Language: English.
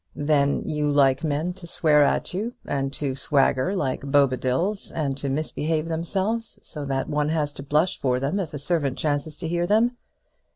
"Then you like men to swear at you, and to swagger like Bobadils, and to misbehave themselves, so that one has to blush for them if a servant chances to hear them.